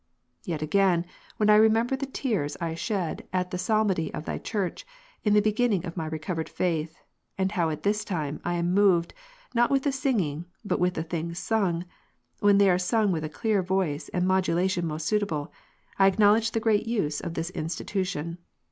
Yet again, when I remember the tears I shed at the Psalmody of Thy Church, in the beginning of my re covered faith ; and how at this time, I am moved, not with the singing, but with the things sung, when they are sung with a clear voice and modulation most suitable, I acknow ledge the great use of this institution.